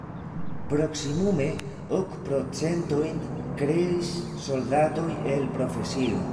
Proksimume ok procentojn kreis soldatoj el profesio.